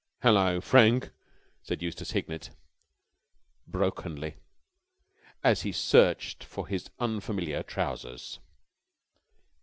'" "Hullo, Frank," said Eustace Hignett, brokenly, as he searched for his unfamiliar trousers.